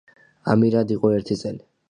ამირად იყო ერთი წელი.